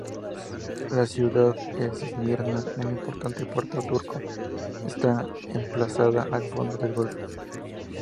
La ciudad de Esmirna, un importante puerto turco, está emplazada al fondo del golfo.